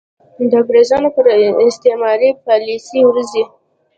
د انګرېزانو پر استعماري پالیسۍ ورځي.